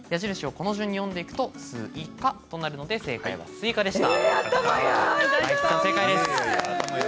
この順番に読んでいくとすいかになるので答えはスイカでした。